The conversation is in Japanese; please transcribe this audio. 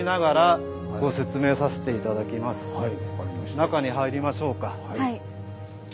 中に入りましょうか。